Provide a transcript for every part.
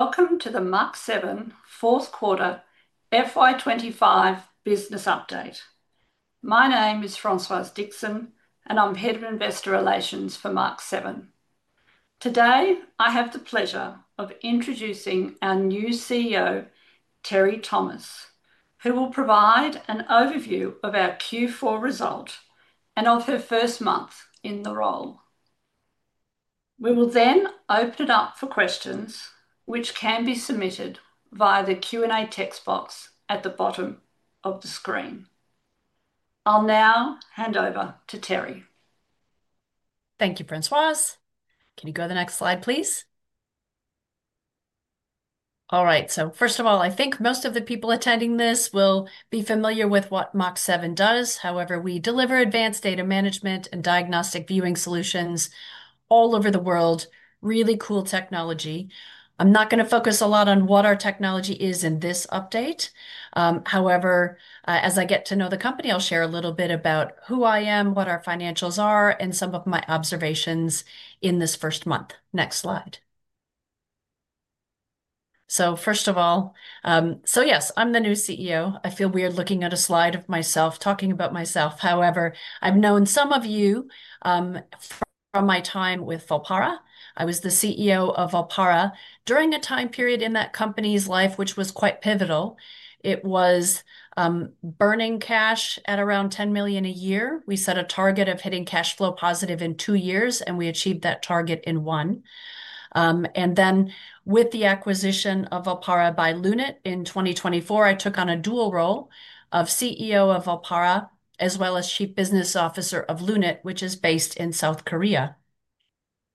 Welcome to the Mach7 fourth quarter FY 2025 business update. My name is Françoise Dixon, and I'm Head of Investor Relations for Mach7. Today, I have the pleasure of introducing our new CEO, Teri Thomas, who will provide an overview of our Q4 result and of her first month in the role. We will then open it up for questions, which can be submitted via the Q&A text box at the bottom of the screen. I'll now hand over to Teri. Thank you, Françoise. Can you go to the next slide, please? All right, so first of all, I think most of the people attending this will be familiar with what Mach7 does. However, we deliver advanced data management and diagnostic viewing solutions all over the world. Really cool technology. I'm not going to focus a lot on what our technology is in this update. However, as I get to know the company, I'll share a little bit about who I am, what our financials are, and some of my observations in this first month. Next slide. So first of all, yes, I'm the new CEO. I feel weird looking at a slide of myself talking about myself. However, I've known some of you from my time with Volpara. I was the CEO of Volpara during a time period in that company's life which was quite pivotal. It was burning cash at around $10 million a year. We set a target of hitting cash flow positive in two years, and we achieved that target in one. With the acquisition of Volpara by Lunit in 2024, I took on a dual role of CEO of Volpara as well as Chief Business Officer of Lunit, which is based in South Korea.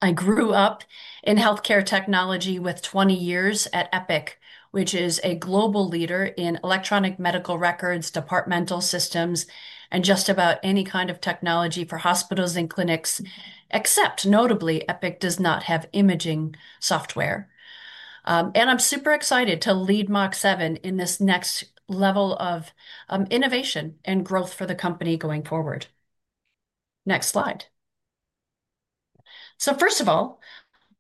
I grew up in healthcare technology with 20 years at Epic, which is a global leader in electronic medical records, departmental systems, and just about any kind of technology for hospitals and clinics, except notably Epic does not have imaging software. I'm super excited to lead Mach7 in this next level of innovation and growth for the company going forward. Next slide. First of all,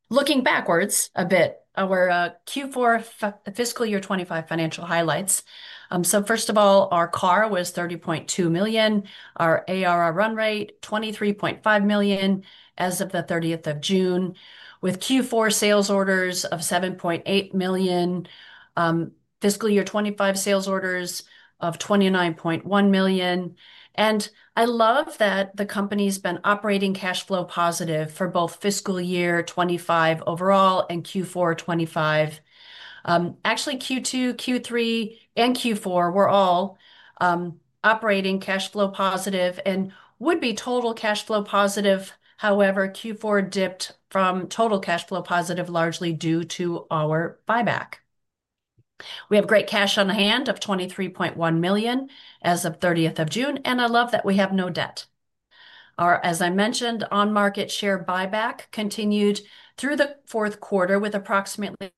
looking backwards a bit, our Q4 fiscal year 2025 financial highlights. Our CAR was $30.2 million. Our ARR run rate was $23.5 million as of the 30th of June, with Q4 sales orders of $7.8 million, fiscal year 2025 sales orders of $29.1 million. I love that the company's been operating cash flow positive for both fiscal year 2025 overall and Q4 2025. Actually, Q2, Q3, and Q4 were all operating cash flow positive and would be total cash flow positive. Q4 dipped from total cash flow positive largely due to our buyback. We have great cash on hand of $23.1 million as of 30th of June, and I love that we have no debt. As I mentioned, on-market share buyback continued through the fourth quarter with approximately.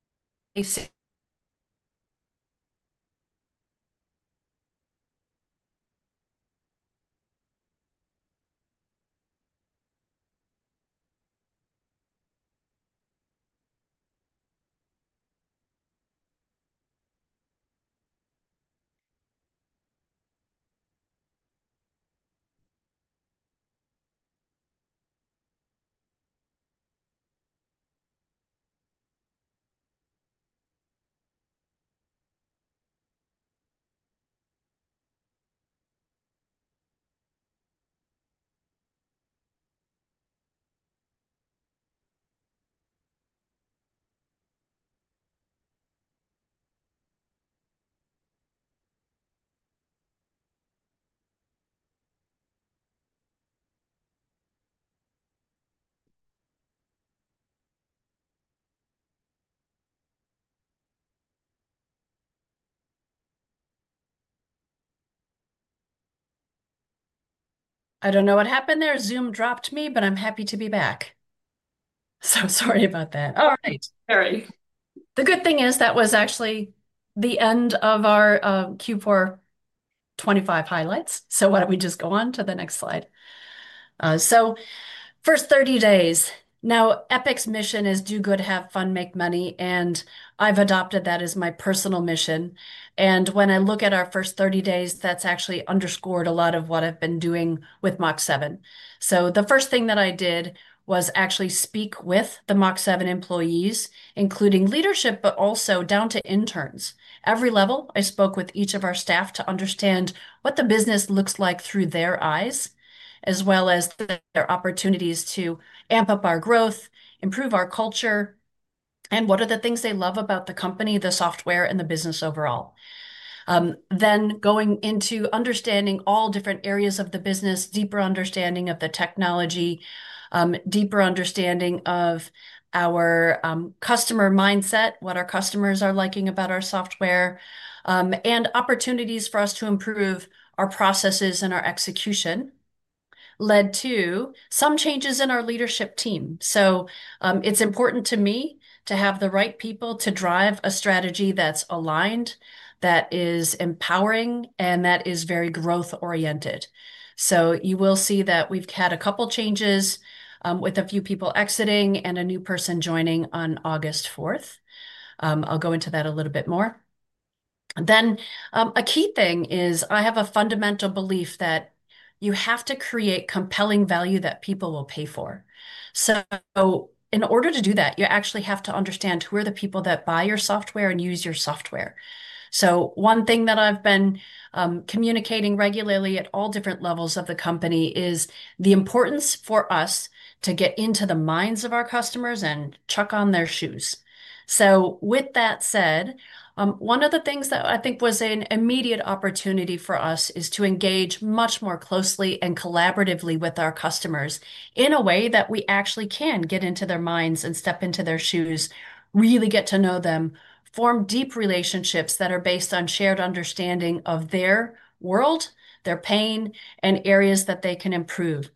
I don't know what happened there. Zoom dropped me, but I'm happy to be back. Sorry about that. The good thing is that was actually the end of our Q4 2025 highlights. Why don't we just go on to the next slide? First 30 days. Now, Epic's mission is do good, have fun, make money, and I've adopted that as my personal mission. When I look at our first 30 days, that's actually underscored a lot of what I've been doing with Mach7. The first thing that I did was actually speak with the Mach7 employees, including leadership, but also down to interns. Every level, I spoke with each of our staff to understand what the business looks like through their eyes, as well as their opportunities to amp up our growth, improve our culture, and what are the things they love about the company, the software, and the business overall. Going into understanding all different areas of the business, deeper understanding of the technology, deeper understanding of our customer mindset, what our customers are liking about our software, and opportunities for us to improve our processes and our execution led to some changes in our leadership team. It's important to me to have the right people to drive a strategy that's aligned, that is empowering, and that is very growth-oriented. You will see that we've had a couple of changes with a few people exiting and a new person joining on August 4th. I'll go into that a little bit more. A key thing is I have a fundamental belief that you have to create compelling value that people will pay for. In order to do that, you actually have to understand who are the people that buy your software and use your software. One thing that I've been communicating regularly at all different levels of the company is the importance for us to get into the minds of our customers and chuck on their shoes. With that said, one of the things that I think was an immediate opportunity for us is to engage much more closely and collaboratively with our customers in a way that we actually can get into their minds and step into their shoes, really get to know them, form deep relationships that are based on shared understanding of their world, their pain, and areas that they can improve.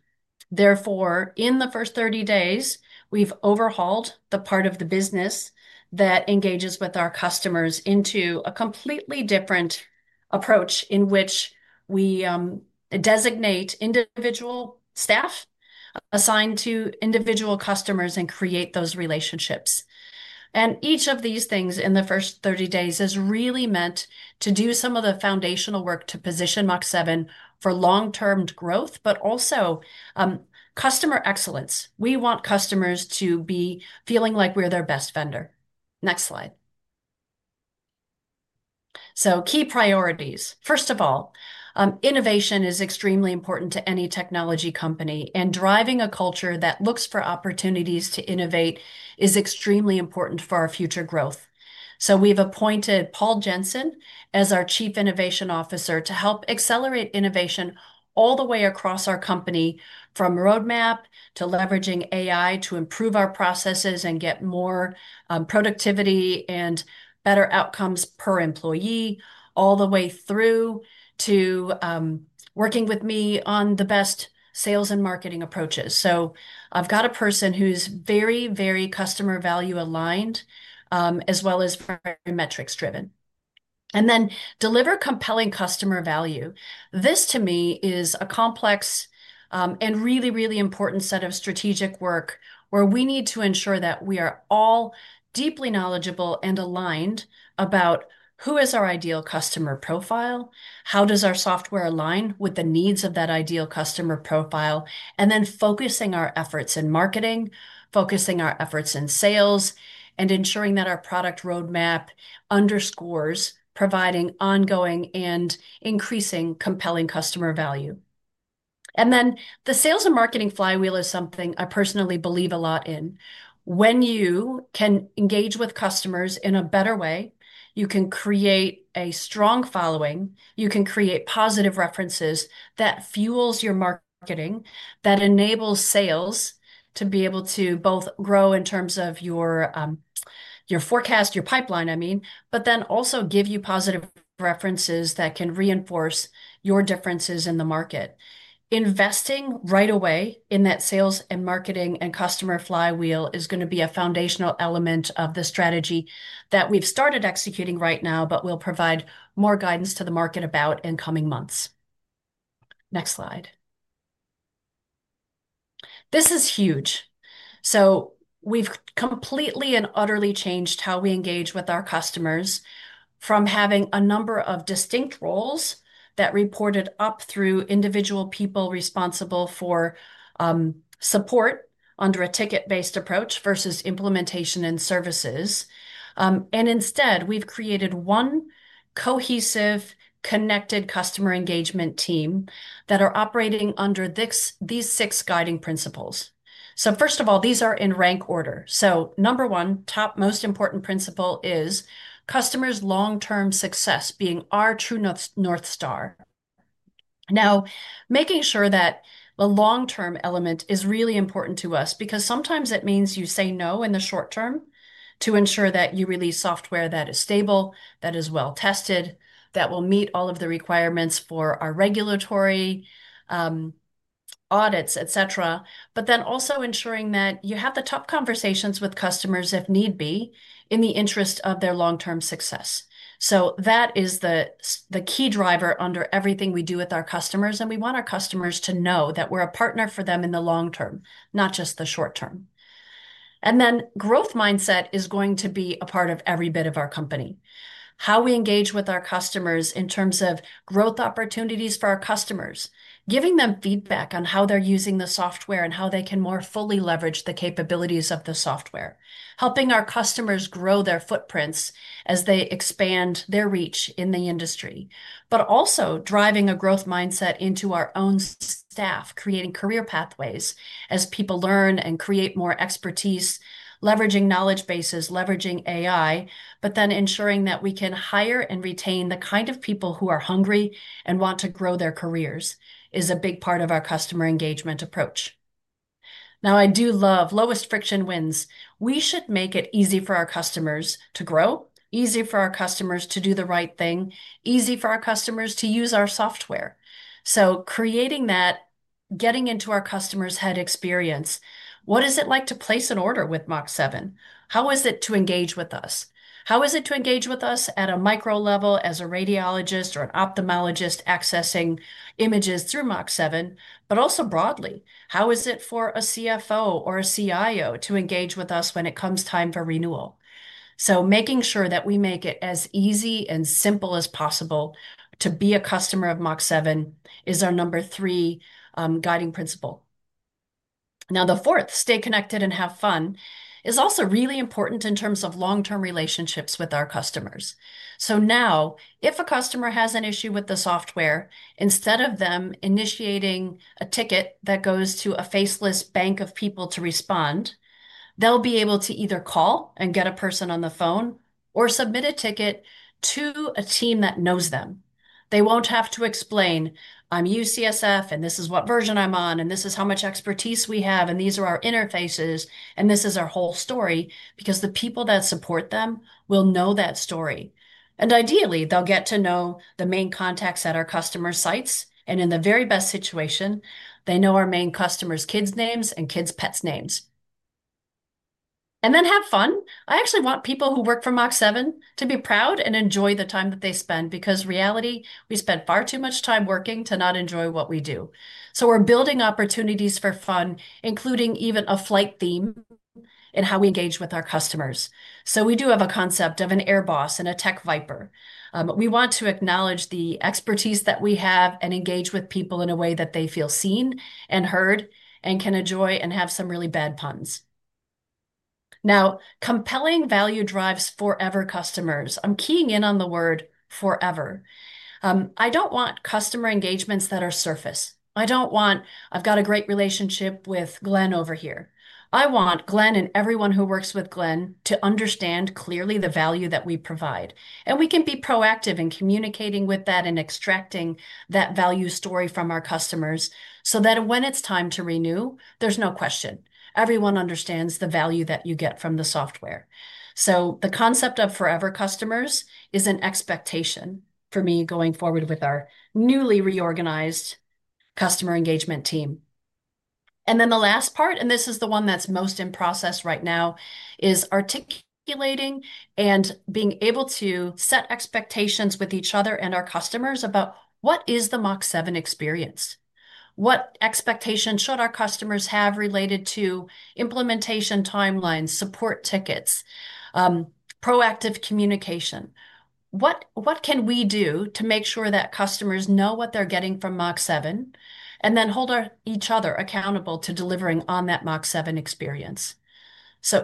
Therefore, in the first 30 days, we've overhauled the part of the business that engages with our customers into a completely different approach in which we designate individual staff assigned to individual customers and create those relationships. Each of these things in the first 30 days has really meant to do some of the foundational work to position Mach7 for long-term growth, but also customer excellence. We want customers to be feeling like we're their best vendor. Next slide. Key priorities. First of all, innovation is extremely important to any technology company, and driving a culture that looks for opportunities to innovate is extremely important for our future growth. We have appointed Paul Jensen as our Chief Innovation Officer to help accelerate innovation all the way across our company, from roadmap to leveraging AI to improve our processes and get more productivity and better outcomes per employee, all the way through to working with me on the best sales and marketing approaches. I have a person who is very, very customer value-aligned, as well as very metrics-driven. Deliver compelling customer value. This, to me, is a complex and really, really important set of strategic work where we need to ensure that we are all deeply knowledgeable and aligned about who is our ideal customer profile, how our software aligns with the needs of that ideal customer profile, and then focusing our efforts in marketing, focusing our efforts in sales, and ensuring that our product roadmap underscores providing ongoing and increasing compelling customer value. The sales and marketing flywheel is something I personally believe a lot in. When you can engage with customers in a better way, you can create a strong following, you can create positive references that fuel your marketing, that enable sales to be able to both grow in terms of your forecast, your pipeline, but then also give you positive references that can reinforce your differences in the market. Investing right away in that sales and marketing and customer flywheel is going to be a foundational element of the strategy that we have started executing right now, but will provide more guidance to the market about in coming months. Next slide. This is huge. We have completely and utterly changed how we engage with our customers from having a number of distinct roles that reported up through individual people responsible for support under a ticket-based approach versus implementation and services. Instead, we have created one cohesive, connected customer engagement team that are operating under these six guiding principles. First of all, these are in rank order. Number one, top most important principle is customers' long-term success being our true north star. Now, making sure that the long-term element is really important to us because sometimes it means you say no in the short term to ensure that you release software that is stable, that is well tested, that will meet all of the requirements for our regulatory audits, etc., but then also ensuring that you have the tough conversations with customers if need be in the interest of their long-term success. That is the key driver under everything we do with our customers, and we want our customers to know that we're a partner for them in the long term, not just the short term. Growth mindset is going to be a part of every bit of our company. How we engage with our customers in terms of growth opportunities for our customers, giving them feedback on how they're using the software and how they can more fully leverage the capabilities of the software, helping our customers grow their footprints as they expand their reach in the industry, but also driving a growth mindset into our own staff, creating career pathways as people learn and create more expertise, leveraging knowledge bases, leveraging AI, but then ensuring that we can hire and retain the kind of people who are hungry and want to grow their careers is a big part of our customer engagement approach. I do love lowest friction wins. We should make it easy for our customers to grow, easy for our customers to do the right thing, easy for our customers to use our software. Creating that, getting into our customer's head experience, what is it like to place an order with Mach7? How is it to engage with us? How is it to engage with us at a micro level as a radiologist or an ophthalmologist accessing images through Mach7, but also broadly? How is it for a CFO or a CIO to engage with us when it comes time for renewal? Making sure that we make it as easy and simple as possible to be a customer of Mach7 is our number three guiding principle. The fourth, stay connected and have fun, is also really important in terms of long-term relationships with our customers. If a customer has an issue with the software, instead of them initiating a ticket that goes to a faceless bank of people to respond, they'll be able to either call and get a person on the phone or submit a ticket to a team that knows them. They won't have to explain, "I'm UCSF, and this is what version I'm on, and this is how much expertise we have, and these are our interfaces, and this is our whole story," because the people that support them will know that story. Ideally, they'll get to know the main contacts at our customer sites, and in the very best situation, they know our main customers' kids' names and kids' pets' names. Have fun. I actually want people who work for Mach7 to be proud and enjoy the time that they spend because reality, we spend far too much time working to not enjoy what we do. We're building opportunities for fun, including even a flight theme in how we engage with our customers. We do have a concept of an Airboss and a Tech Viper. We want to acknowledge the expertise that we have and engage with people in a way that they feel seen and heard and can enjoy and have some really bad puns. Now, compelling value drives forever customers. I'm keying in on the word forever. I don't want customer engagements that are surface. I don't want, "I've got a great relationship with Glen over here." I want Glen and everyone who works with Glen to understand clearly the value that we provide. We can be proactive in communicating with that and extracting that value story from our customers so that when it's time to renew, there's no question. Everyone understands the value that you get from the software. The concept of forever customers is an expectation for me going forward with our newly reorganized customer engagement team. The last part, and this is the one that's most in process right now, is articulating and being able to set expectations with each other and our customers about what is the Mach7 experience. What expectations should our customers have related to implementation timelines, support tickets, proactive communication? What can we do to make sure that customers know what they're getting from Mach7 and then hold each other accountable to delivering on that Mach7 experience?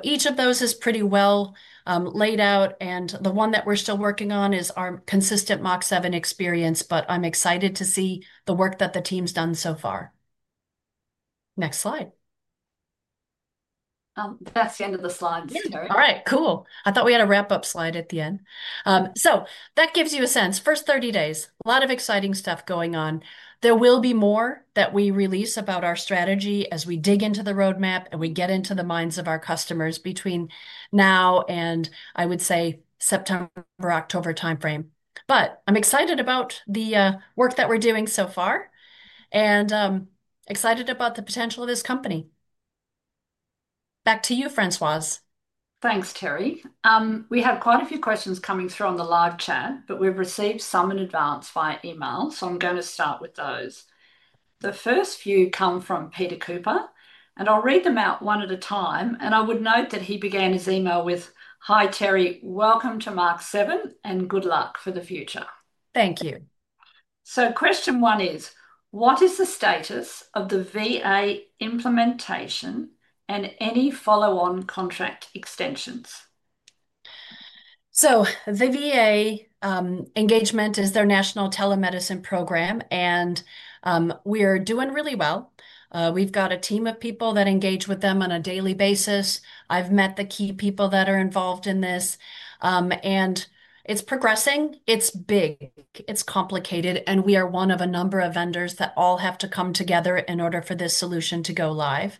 Each of those is pretty well laid out, and the one that we're still working on is our consistent Mach7 experience, but I'm excited to see the work that the team's done so far. Next slide. That's the end of the slides. All right, cool. I thought we had a wrap-up slide at the end. That gives you a sense. First 30 days, a lot of exciting stuff going on. There will be more that we release about our strategy as we dig into the roadmap and we get into the minds of our customers between now and, I would say, September, October timeframe. I'm excited about the work that we're doing so far and excited about the potential of this company. Back to you, Françoise. Thanks, Teri. We have quite a few questions coming through on the live chat, but we've received some in advance via email, so I'm going to start with those. The first few come from Peter Cooper, and I'll read them out one at a time. I would note that he began his email with, "Hi, Teri. Welcome to Mach7 and good luck for the future." Thank you. Question one is, "What is the status of the VA implementation and any follow-on contract extensions? The VA engagement is their National Telemedicine Program, and we are doing really well. We've got a team of people that engage with them on a daily basis. I've met the key people that are involved in this, and it's progressing. It's big, it's complicated, and we are one of a number of vendors that all have to come together in order for this solution to go live.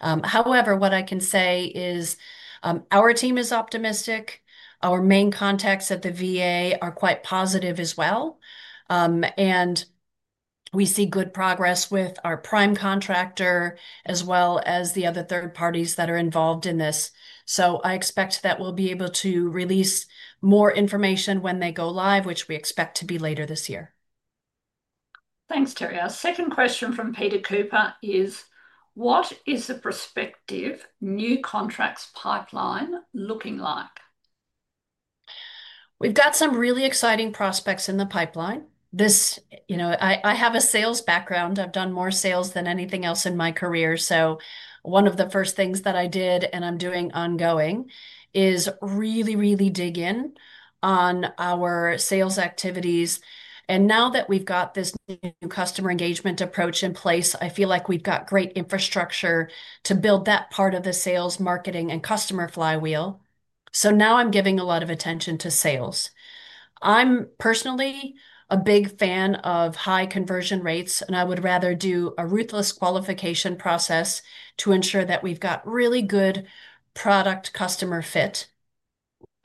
However, what I can say is our team is optimistic. Our main contacts at the VA are quite positive as well, and we see good progress with our prime contractor as well as the other third parties that are involved in this. I expect that we'll be able to release more information when they go live, which we expect to be later this year. Thanks, Teri. Our second question from Peter Cooper is, "What is the prospective new contracts pipeline looking like? We've got some really exciting prospects in the pipeline. I have a sales background. I've done more sales than anything else in my career. One of the first things that I did, and I'm doing ongoing, is really, really dig in on our sales activities. Now that we've got this new customer engagement approach in place, I feel like we've got great infrastructure to build that part of the sales, marketing, and customer flywheel. Now I'm giving a lot of attention to sales. I'm personally a big fan of high conversion rates, and I would rather do a ruthless qualification process to ensure that we've got really good product-customer fit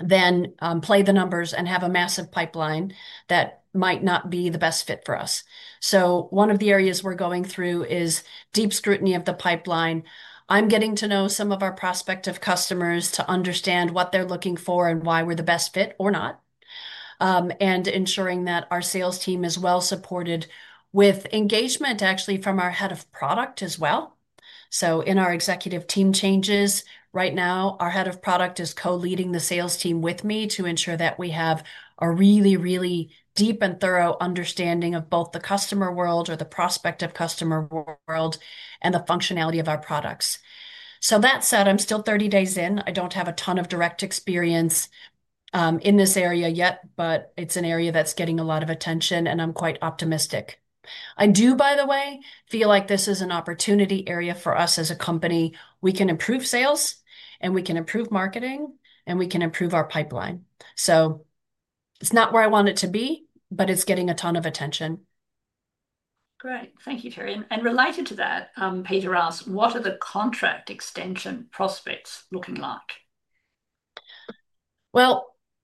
than play the numbers and have a massive pipeline that might not be the best fit for us. One of the areas we're going through is deep scrutiny of the pipeline. I'm getting to know some of our prospective customers to understand what they're looking for and why we're the best fit or not, and ensuring that our sales team is well supported with engagement actually from our Head of Product as well. In our executive team changes right now, our Head of Product is co-leading the sales team with me to ensure that we have a really, really deep and thorough understanding of both the customer world or the prospective customer world and the functionality of our products. That said, I'm still 30 days in. I don't have a ton of direct experience in this area yet, but it's an area that's getting a lot of attention, and I'm quite optimistic. I do, by the way, feel like this is an opportunity area for us as a company. We can improve sales, and we can improve marketing, and we can improve our pipeline. It's not where I want it to be, but it's getting a ton of attention. Great. Thank you, Teri. Related to that, Peter asks, "What are the contract extension prospects looking like?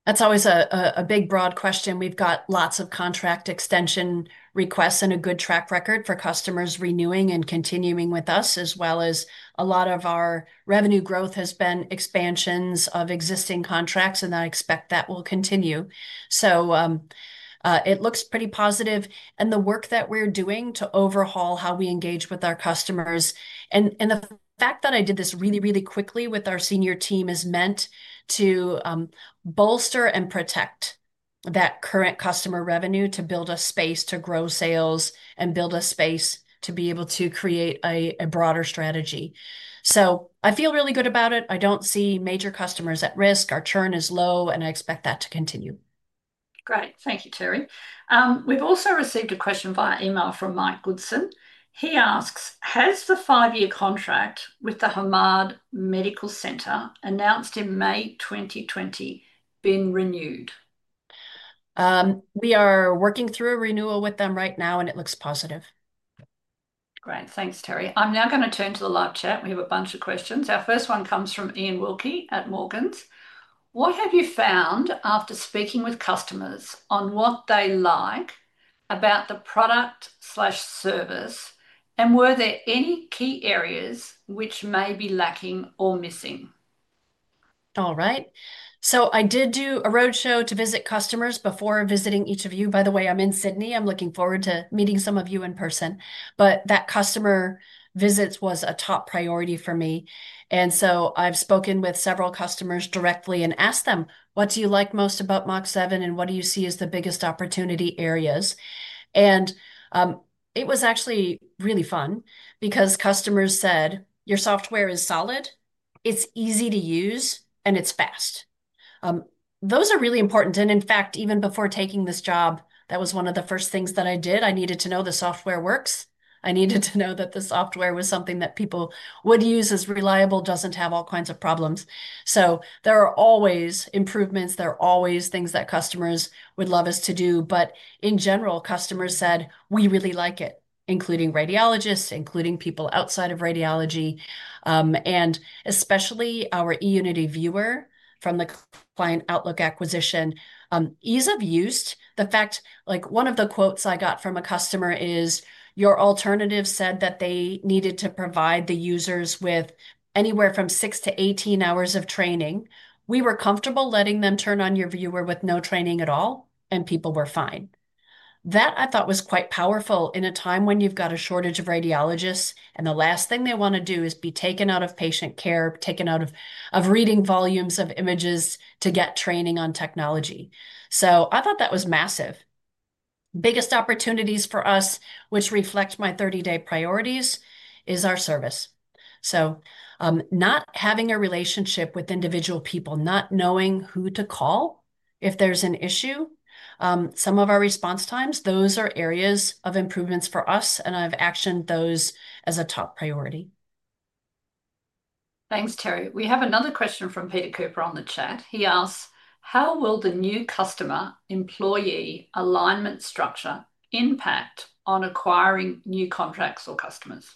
That's always a big broad question. We've got lots of contract extension requests and a good track record for customers renewing and continuing with us, as well as a lot of our revenue growth has been expansions of existing contracts. I expect that will continue. It looks pretty positive. The work that we're doing to overhaul how we engage with our customers, and the fact that I did this really, really quickly with our senior team, has meant to bolster and protect that current customer revenue to build a space to grow sales and build a space to be able to create a broader strategy. I feel really good about it. I don't see major customers at risk. Our churn is low, and I expect that to continue. Great. Thank you, Teri. We've also received a question via email from Mike Goodson. He asks, "Has the five-year contract with the Hamad Medical Center announced in May 2020 been renewed? We are working through a renewal with them right now, and it looks positive. Great. Thanks, Teri. I'm now going to turn to the live chat. We have a bunch of questions. Our first one comes from Ian Wilkie at Morgans. "What have you found after speaking with customers on what they like about the product/service, and were there any key areas which may be lacking or missing? All right. I did do a roadshow to visit customers before visiting each of you. By the way, I'm in Sydney. I'm looking forward to meeting some of you in person. That customer visits was a top priority for me. I've spoken with several customers directly and asked them, "What do you like most about Mach7, and what do you see as the biggest opportunity areas?" It was actually really fun because customers said, "Your software is solid. It's easy to use, and it's fast." Those are really important. In fact, even before taking this job, that was one of the first things that I did. I needed to know the software works. I needed to know that the software was something that people would use as reliable, doesn't have all kinds of problems. There are always improvements. There are always things that customers would love us to do. In general, customers said, "We really like it," including radiologists, including people outside of radiology, and especially our eUnity Viewer from the Client Outlook acquisition. Ease of use, the fact like one of the quotes I got from a customer is, "Your alternative said that they needed to provide the users with anywhere from 6-18 hours of training. We were comfortable letting them turn on your viewer with no training at all, and people were fine." I thought that was quite powerful in a time when you've got a shortage of radiologists, and the last thing they want to do is be taken out of patient care, taken out of reading volumes of images to get training on technology. I thought that was massive. Biggest opportunities for us, which reflect my 30-day priorities, is our service. Not having a relationship with individual people, not knowing who to call if there's an issue, some of our response times, those are areas of improvements for us, and I've actioned those as a top priority. Thanks, Teri. We have another question from Peter Cooper on the chat. He asks, "How will the new customer-employee alignment structure impact on acquiring new contracts or customers?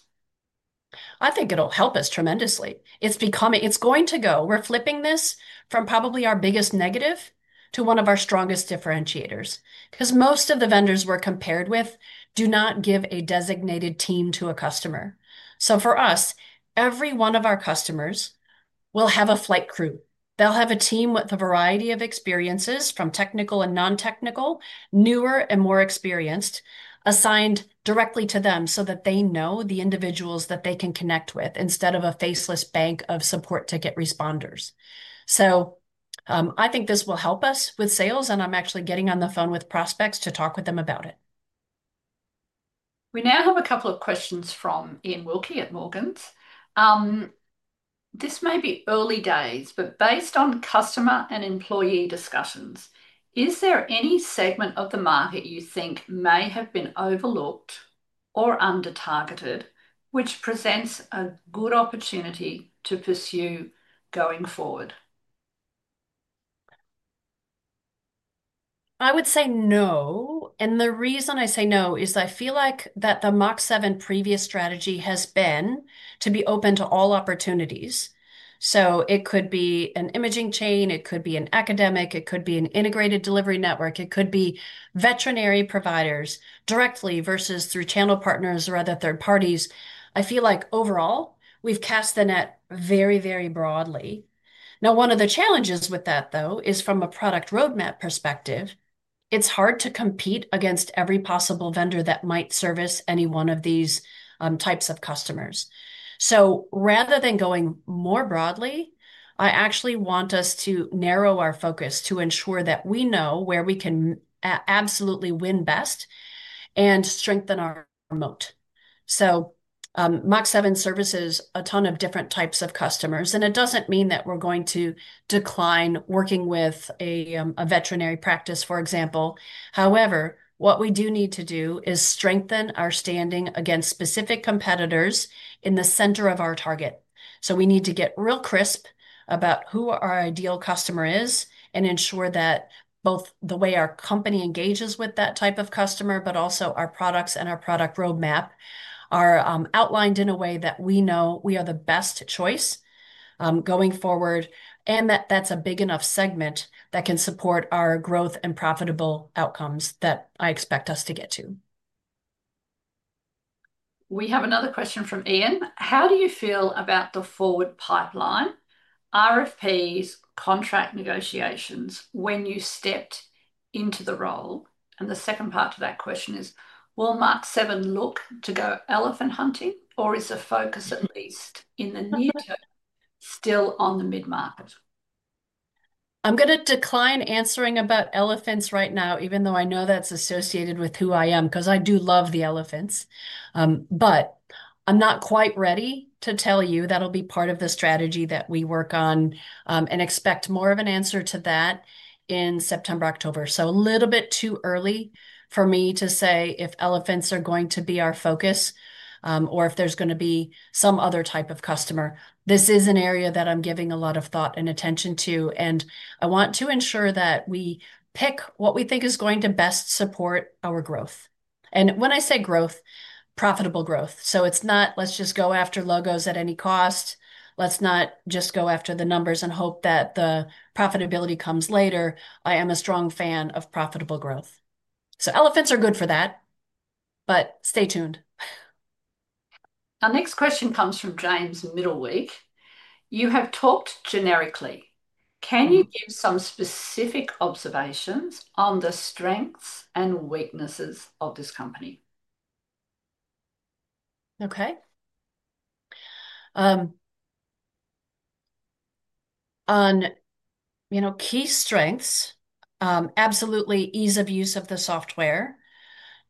I think it'll help us tremendously. It's going to go. We're flipping this from probably our biggest negative to one of our strongest differentiators because most of the vendors we're compared with do not give a designated team to a customer. For us, every one of our customers will have a flight crew. They'll have a team with a variety of experiences from technical and non-technical, newer and more experienced, assigned directly to them so that they know the individuals that they can connect with instead of a faceless bank of support ticket responders. I think this will help us with sales, and I'm actually getting on the phone with prospects to talk with them about it. We now have a couple of questions from Ian Wilkie at Morgan's. "This may be early days, but based on customer and employee discussions, is there any segment of the market you think may have been overlooked or under-targeted, which presents a good opportunity to pursue going forward? I would say no. The reason I say no is I feel like the Mach7 previous strategy has been to be open to all opportunities. It could be an imaging chain, it could be an academic, it could be an integrated delivery network, it could be veterinary providers directly versus through channel partners or other third parties. I feel like overall, we've cast the net very, very broadly. One of the challenges with that, though, is from a product roadmap perspective, it's hard to compete against every possible vendor that might service any one of these types of customers. Rather than going more broadly, I actually want us to narrow our focus to ensure that we know where we can absolutely win best and strengthen our remote. Mach7 services a ton of different types of customers, and it doesn't mean that we're going to decline working with a veterinary practice, for example. However, what we do need to do is strengthen our standing against specific competitors in the center of our target. We need to get real crisp about who our ideal customer is and ensure that both the way our company engages with that type of customer, but also our products and our product roadmap are outlined in a way that we know we are the best choice going forward and that that's a big enough segment that can support our growth and profitable outcomes that I expect us to get to. We have another question from Ian. "How do you feel about the forward pipeline, RFPs, contract negotiations, when you stepped into the role?" The second part to that question is, "Will Mach7 look to go elephant hunting, or is the focus at least in the near term still on the mid-market? I'm going to decline answering about elephants right now, even though I know that's associated with who I am because I do love the elephants. I'm not quite ready to tell you that'll be part of the strategy that we work on and expect more of an answer to that in September, October. It's a little bit too early for me to say if elephants are going to be our focus or if there's going to be some other type of customer. This is an area that I'm giving a lot of thought and attention to, and I want to ensure that we pick what we think is going to best support our growth. When I say growth, profitable growth. It's not, "Let's just go after logos at any cost. Let's not just go after the numbers and hope that the profitability comes later." I am a strong fan of profitable growth. Elephants are good for that, but stay tuned. Our next question comes from James Middleweek. "You have talked generically. Can you give some specific observations on the strengths and weaknesses of this company? Okay. On key strengths, absolutely ease of use of the software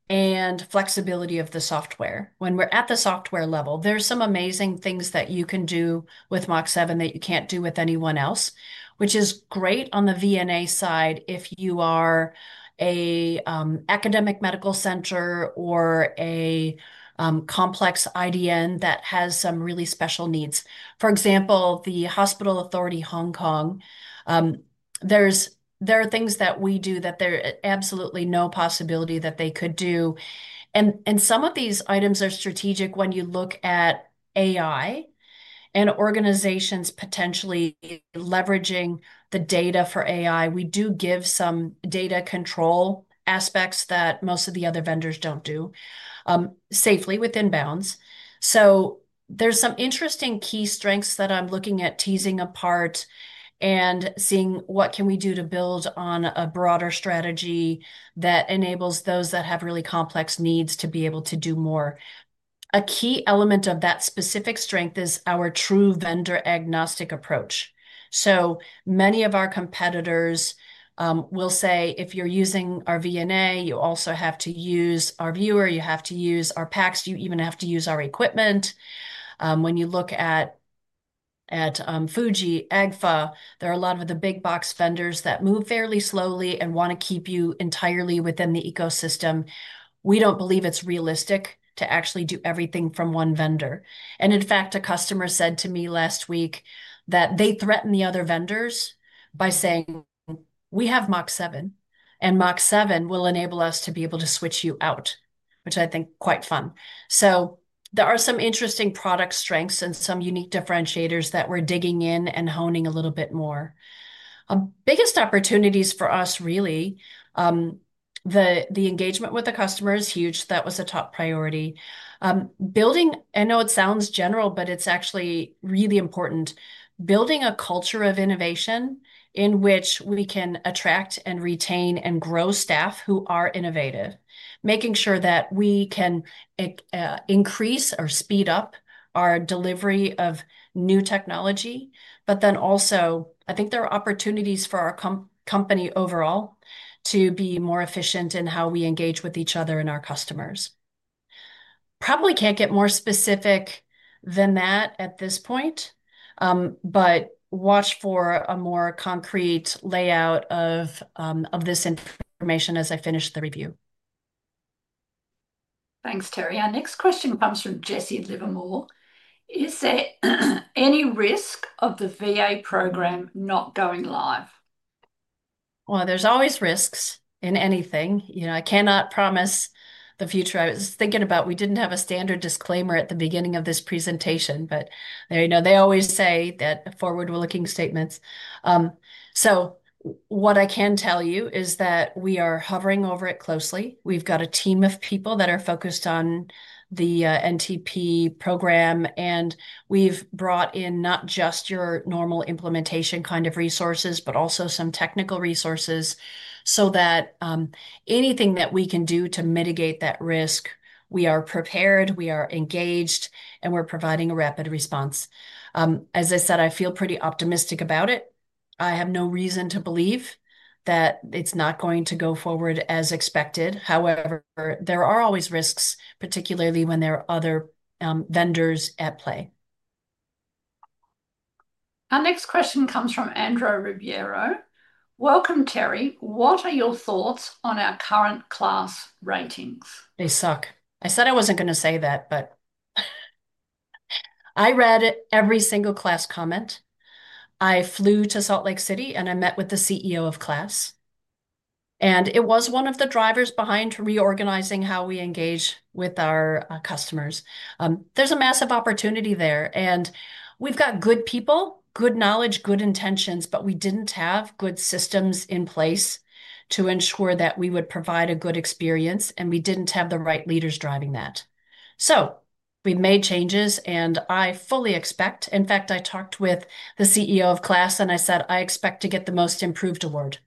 and flexibility of the software. When we're at the software level, there's some amazing things that you can do with Mach7 that you can't do with anyone else, which is great on the VNA side if you are an academic medical center or a complex IDN that has some really special needs. For example, the Hospital Authority Hong Kong, there are things that we do that there's absolutely no possibility that they could do. Some of these items are strategic when you look at AI and organizations potentially leveraging the data for AI. We do give some data control aspects that most of the other vendors don't do safely within bounds. There's some interesting key strengths that I'm looking at teasing apart and seeing what can we do to build on a broader strategy that enables those that have really complex needs to be able to do more. A key element of that specific strength is our true vendor-agnostic approach. So many of our competitors will say, "If you're using our VNA, you also have to use our viewer. You have to use our PACS. You even have to use our equipment." When you look at , Agfa, there are a lot of the big box vendors that move fairly slowly and want to keep you entirely within the ecosystem. We don't believe it's realistic to actually do everything from one vendor. In fact, a customer said to me last week that they threaten the other vendors by saying, "We have Mach7, and Mach7 will enable us to be able to switch you out," which I think is quite fun. There are some interesting product strengths and some unique differentiators that we're digging in and honing a little bit more. Biggest opportunities for us, really, the engagement with the customer is huge. That was a top priority. Building, I know it sounds general, but it's actually really important, building a culture of innovation in which we can attract and retain and grow staff who are innovative, making sure that we can increase or speed up our delivery of new technology. I think there are opportunities for our company overall to be more efficient in how we engage with each other and our customers. Probably can't get more specific than that at this point, but watch for a more concrete layout of this information as I finish the review. Thanks, Teri. Our next question comes from Jesse Livermore. "Is there any risk of the VA program not going live? There are always risks in anything. You know, I cannot promise the future. I was thinking about we didn't have a standard disclaimer at the beginning of this presentation, but you know they always say that forward-looking statements. What I can tell you is that we are hovering over it closely. We've got a team of people that are focused on the NTP program, and we've brought in not just your normal implementation kind of resources, but also some technical resources so that anything that we can do to mitigate that risk, we are prepared, we are engaged, and we're providing a rapid response. As I said, I feel pretty optimistic about it. I have no reason to believe that it's not going to go forward as expected. However, there are always risks, particularly when there are other vendors at play. Our next question comes from Andro Rubiero. "Welcome, Teri. What are your thoughts on our current KLAS ratings? They suck. I said I wasn't going to say that, but I read every single KLAS comment. I flew to Salt Lake City, and I met with the CEO of KLAS. It was one of the drivers behind reorganizing how we engage with our customers. There's a massive opportunity there. We've got good people, good knowledge, good intentions, but we didn't have good systems in place to ensure that we would provide a good experience, and we didn't have the right leaders driving that. We made changes, and I fully expect—in fact, I talked with the CEO of KLAS, and I said, "I expect to get the most improved award."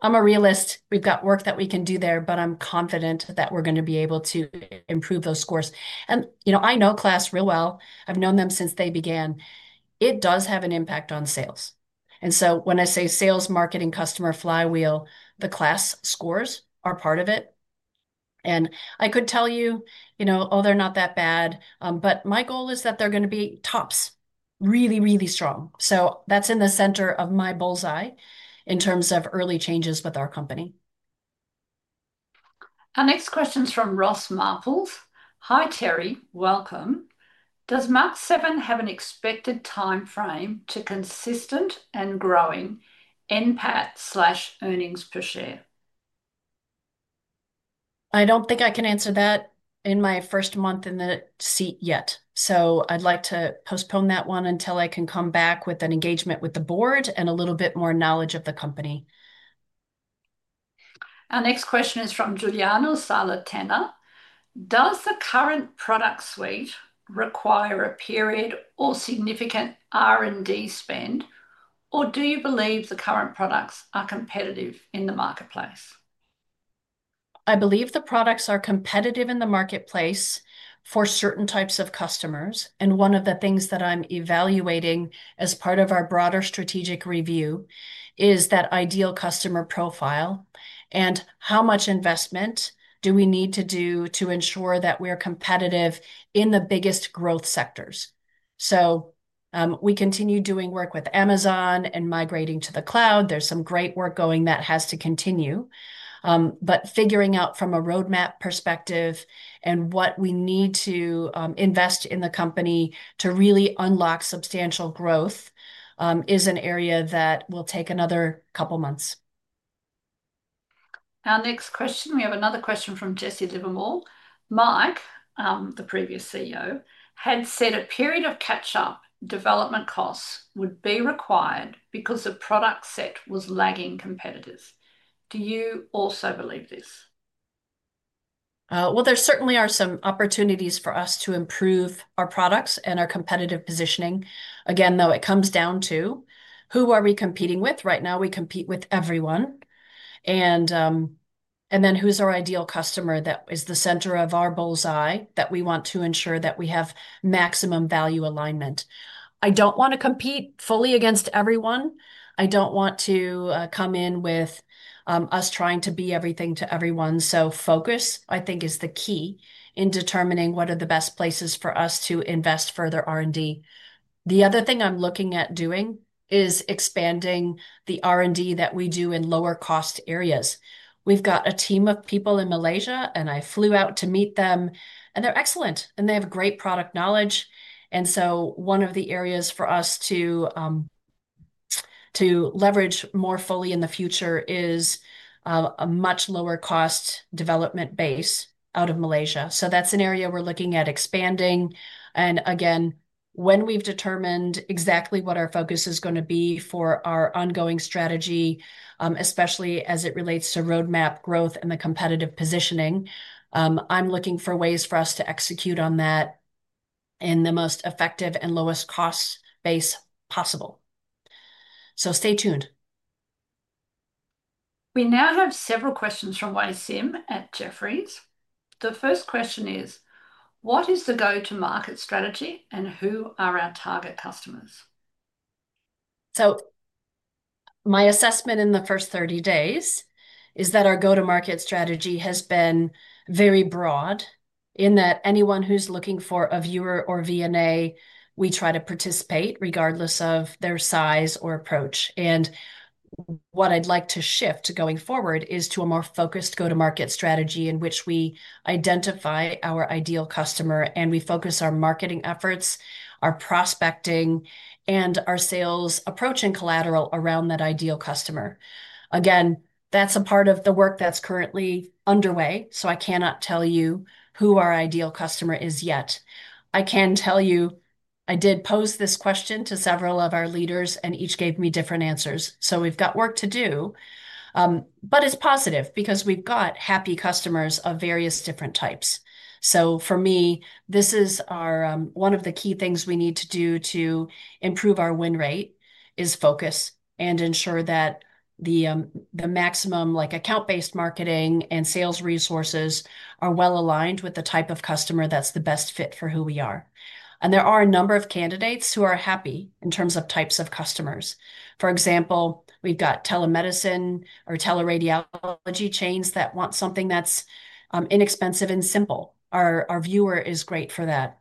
I'm a realist. We've got work that we can do there, but I'm confident that we're going to be able to improve those scores. I know KLAS real well. I've known them since they began. It does have an impact on sales. When I say sales, marketing, customer flywheel, the KLAS scores are part of it. I could tell you, "Oh, they're not that bad," but my goal is that they're going to be tops, really, really strong. That's in the center of my bullseye in terms of early changes with our company. Our next question is from Ross Marples. "Hi, Teri. Welcome. Does Mach7 have an expected timeframe to consistent and growing NPAT/earnings per share? I don't think I can answer that in my first month in the seat yet. I'd like to postpone that one until I can come back with an engagement with the board and a little bit more knowledge of the company. Our next question is from Giuliano Salatena. "Does the current product suite require a period of significant R&D spend, or do you believe the current products are competitive in the marketplace? I believe the products are competitive in the marketplace for certain types of customers. One of the things that I'm evaluating as part of our broader strategic review is that ideal customer profile and how much investment do we need to do to ensure that we're competitive in the biggest growth sectors. We continue doing work with Amazon and migrating to the cloud. There's some great work going that has to continue. Figuring out from a roadmap perspective and what we need to invest in the company to really unlock substantial growth is an area that will take another couple of months. Our next question, we have another question from Jesse Livermore. "Mark, the previous CEO, had said a period of catch-up development costs would be required because the product set was lagging competitors. Do you also believe this? There certainly are some opportunities for us to improve our products and our competitive positioning. Again, though, it comes down to who we are competing with. Right now, we compete with everyone. Then who's our ideal customer that is the center of our bullseye that we want to ensure that we have maximum value alignment. I don't want to compete fully against everyone. I don't want to come in with us trying to be everything to everyone. Focus, I think, is the key in determining what are the best places for us to invest further R&D. The other thing I'm looking at doing is expanding the R&D that we do in lower-cost areas. We've got a team of people in Malaysia, and I flew out to meet them, and they're excellent, and they have great product knowledge. One of the areas for us to leverage more fully in the future is a much lower-cost development base out of Malaysia. That's an area we're looking at expanding. Again, when we've determined exactly what our focus is going to be for our ongoing strategy, especially as it relates to roadmap growth and the competitive positioning, I'm looking for ways for us to execute on that in the most effective and lowest-cost base possible. Stay tuned. We now have several questions from YSim at Jefferies. The first question is, "What is the go-to-market strategy and who are our target customers? My assessment in the first 30 days is that our go-to-market strategy has been very broad in that anyone who's looking for a viewer or VNA, we try to participate regardless of their size or approach. What I'd like to shift going forward is to a more focused go-to-market strategy in which we identify our ideal customer, and we focus our marketing efforts, our prospecting, and our sales approach and collateral around that ideal customer. That's a part of the work that's currently underway, so I cannot tell you who our ideal customer is yet. I can tell you I did pose this question to several of our leaders, and each gave me different answers. We've got work to do, but it's positive because we've got happy customers of various different types. For me, this is one of the key things we need to do to improve our win rate: focus and ensure that the maximum account-based marketing and sales resources are well aligned with the type of customer that's the best fit for who we are. There are a number of candidates who are happy in terms of types of customers. For example, we've got telemedicine or teleradiology chains that want something that's inexpensive and simple. Our viewer is great for that.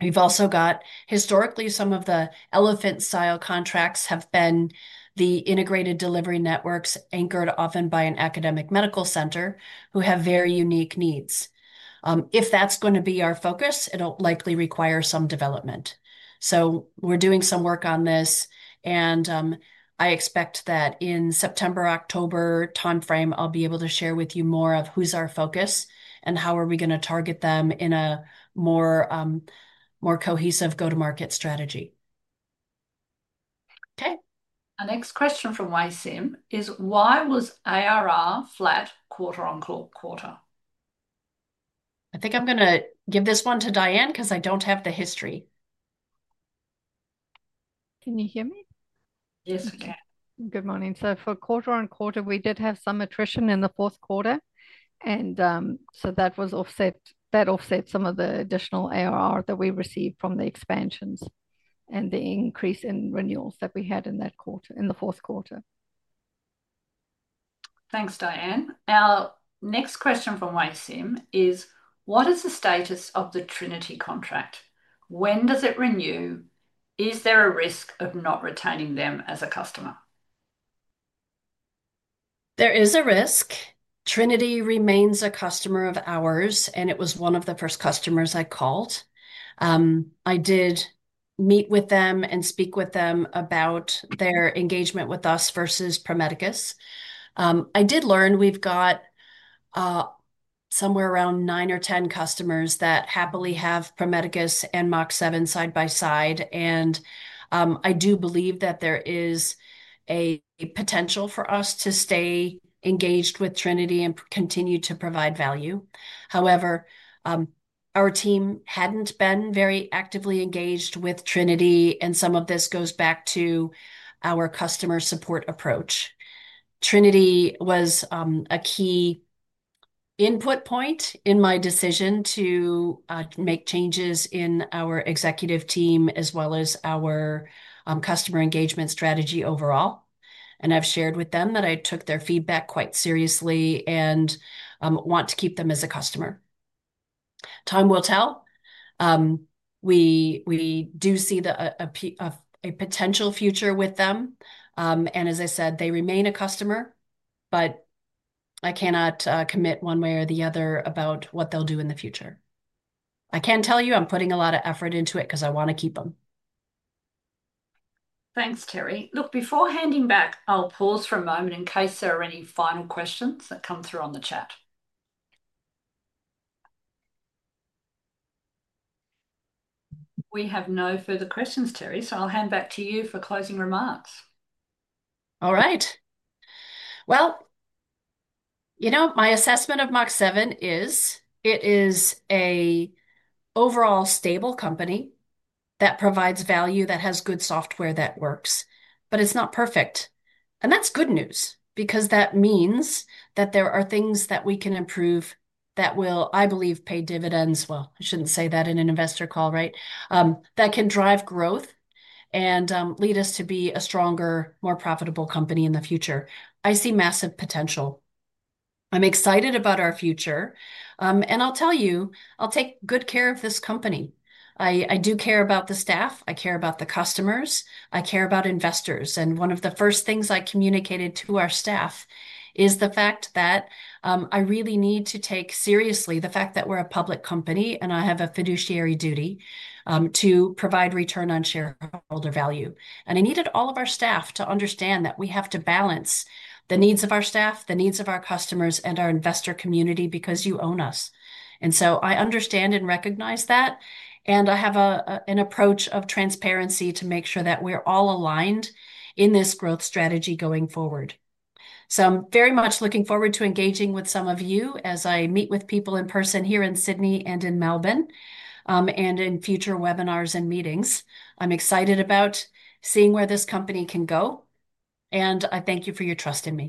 We've also got, historically, some of the elephant-style contracts that have been the integrated delivery networks anchored often by an academic medical center who have very unique needs. If that's going to be our focus, it'll likely require some development. We're doing some work on this, and I expect that in the September, October timeframe, I'll be able to share with you more of who's our focus and how we're going to target them in a more cohesive go-to-market strategy. Okay. Our next question from YSim is, "Why was ARR flat quarter on quarter? I think I'm going to give this one to Dyan because I don't have the history. Can you hear me? Yes, ma'am. Good morning. For quarter on quarter, we did have some attrition in the fourth quarter, and that offset some of the additional ARR that we received from the expansions and the increase in renewals that we had in that quarter. Thanks, Dyan. Our next question from YSim is, "What is the status of the Trinity contract? When does it renew? Is there a risk of not retaining them as a customer? There is a risk. Trinity remains a customer of ours, and it was one of the first customers I called. I did meet with them and speak with them about their engagement with us versus Prometheus. I did learn we've got somewhere around 9 or 10 customers that happily have Prometheus and Mach7 side by side, and I do believe that there is a potential for us to stay engaged with Trinity and continue to provide value. However, our team hadn't been very actively engaged with Trinity, and some of this goes back to our customer support approach. Trinity was a key input point in my decision to make changes in our executive team as well as our customer engagement strategy overall. I have shared with them that I took their feedback quite seriously and want to keep them as a customer. Time will tell. We do see a potential future with them. As I said, they remain a customer, but I cannot commit one way or the other about what they'll do in the future. I can tell you I'm putting a lot of effort into it because I want to keep them. Thanks, Teri. Before handing back, I'll pause for a moment in case there are any final questions that come through on the chat. We have no further questions, Teri. I'll hand back to you for closing remarks. All right. You know my assessment of Mach7 is it is an overall stable company that provides value, that has good software that works, but it's not perfect. That's good news because that means that there are things that we can improve that will, I believe, pay dividends. I shouldn't say that in an investor call, right? That can drive growth and lead us to be a stronger, more profitable company in the future. I see massive potential. I'm excited about our future. I'll tell you, I'll take good care of this company. I do care about the staff. I care about the customers. I care about investors. One of the first things I communicated to our staff is the fact that I really need to take seriously the fact that we're a public company and I have a fiduciary duty to provide return on shareholder value. I needed all of our staff to understand that we have to balance the needs of our staff, the needs of our customers, and our investor community because you own us. I understand and recognize that. I have an approach of transparency to make sure that we're all aligned in this growth strategy going forward. I'm very much looking forward to engaging with some of you as I meet with people in person here in Sydney and in Melbourne and in future webinars and meetings. I'm excited about seeing where this company can go. I thank you for your trust in me.